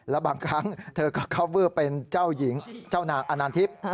แล้วบางครั้งเธอก็คอฟเวอร์เป็นเจ้าหญิงเจ้านางอนานทิพย์